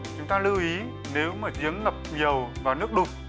chúng ta lưu ý nếu mà giếng ngập nhiều vào nước lụt